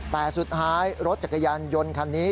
แต่สุดท้ายรถจักรยานยนต์คันนี้